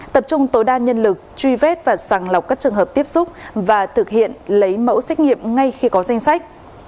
tập trung tối đa nhân lực truy vết và sàng lọc các trường hợp tiếp xúc và thực hiện lấy mẫu xét nghiệm ngay khi có danh sách